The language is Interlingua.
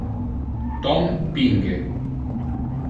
Tom pinge.